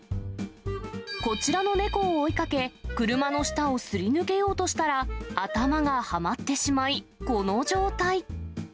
こちらの猫を追いかけ、車の下をすり抜けようとしたら、頭がはまってしまい、この状態。